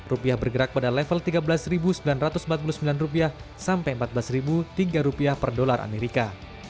rupiah bergerak pada level tiga belas sembilan ratus empat puluh sembilan sampai rp empat belas tiga rupiah per dolar amerika